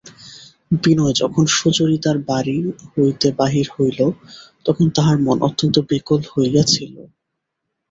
বিনয় যখন সুচরিতার বাড়ি হইতে বাহির হইল তখন তাহার মন অত্যন্ত বিকল হইয়া ছিল।